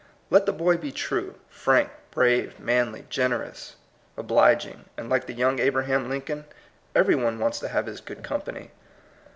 Let the boy be true, frank, brave, manly, generous, obli ging, and like the young Abraham Lincoln, every one wants to have his good company.